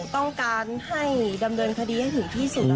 ต้องการให้ดำเนินคดีให้ถึงที่สุด